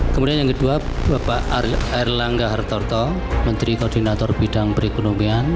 kemudian yang kedua bapak erlangga hartarto menteri koordinator bidang perekonomian